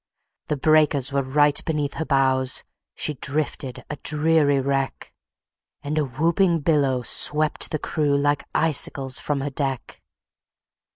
The breakers were right beneath her bows, She drifted a weary wreck, And a whooping billow swept the crew Like icicles from her deck.